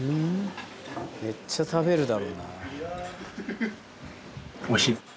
めっちゃ食べるだろうな。